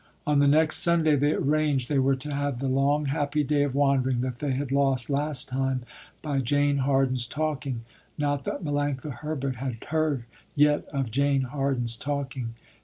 On the next Sunday they arranged, they were to have the long happy day of wandering that they had lost last time by Jane Harden's talking. Not that Melanctha Herbert had heard yet of Jane Harden's talking.